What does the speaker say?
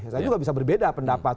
saya juga bisa berbeda pendapat